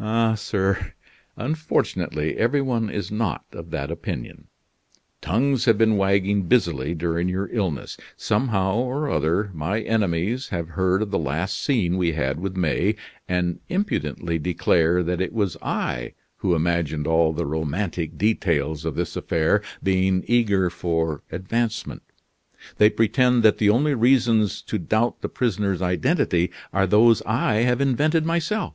"Ah, sir, unfortunately every one is not of that opinion. Tongues have been wagging busily during your illness. Somehow or other, my enemies have heard of the last scene we had with May; and impudently declare that it was I who imagined all the romantic details of this affair, being eager for advancement. They pretend that the only reasons to doubt the prisoner's identity are those I have invented myself.